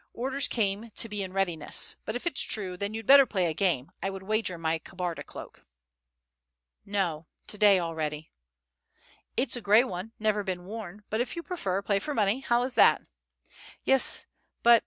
"Orders came to be in readiness; but if it's true, then you'd better play a game. I would wager my Kabarda cloak." "No, to day already" ... "It's a gray one, never been worn; but if you prefer, play for money. How is that?" "Yes, but ..